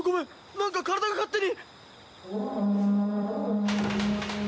なんか体が勝手に！